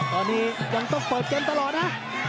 ตอนนี้ยังต้องเปิดเกมตลอดนะ